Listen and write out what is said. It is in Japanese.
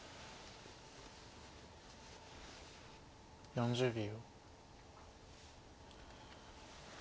４０秒。